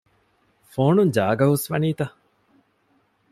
ފޯނުން ޖާގަ ހުސްވަނީތަ؟